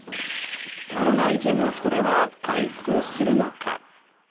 コロナ以前の人出は回復するのか。